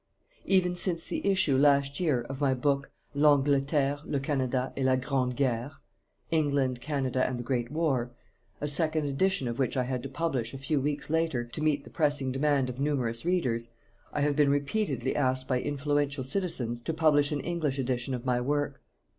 Even since the issue, last year, of my book: "L'Angleterre, Le Canada et la Grande Guerre" "England, Canada and the Great War" a second edition of which I had to publish, a few weeks later, to meet the pressing demand of numerous readers I have been repeatedly asked by influential citizens to publish an English edition of my work.